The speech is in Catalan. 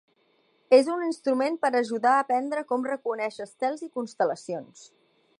És un instrument per ajudar a aprendre com reconèixer estels i constel·lacions.